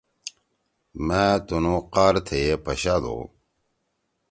مأ تُنُو قآر تھیئے پشادو